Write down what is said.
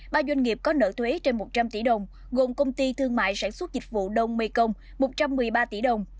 ba doanh nghiệp có nợ thuế trên một trăm linh tỷ đồng gồm công ty thương mại sản xuất dịch vụ đông mê công một trăm một mươi ba tỷ đồng